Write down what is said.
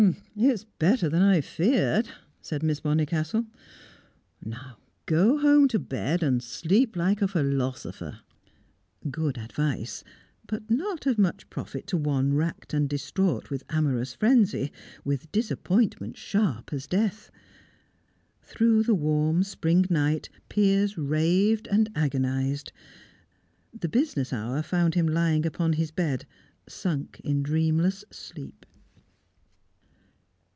"It's better than I feared," said Miss Bonnicastle. "Now go home to bed, and sleep like a philosopher." Good advice, but not of much profit to one racked and distraught with amorous frenzy, with disappointment sharp as death. Through the warm spring night, Piers raved and agonised. The business hour found him lying upon his bed, sunk in dreamless sleep.